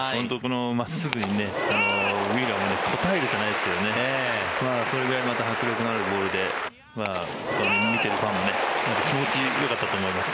真っすぐにねウィーラーも応えるじゃないですけどそれぐらいまた迫力のあるボールで見ているファンも気持ちよかったと思います。